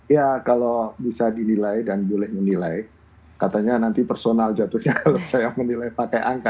ya kalau bisa dinilai dan boleh menilai katanya nanti personal jatuhnya kalau saya menilai pakai angka